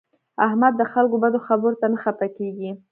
احمد د خلکو بدو خبرو ته نه خپه کېږي.